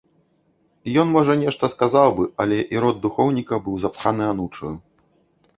Ён, можа, нешта сказаў бы, але і рот духоўніка быў запханы анучаю.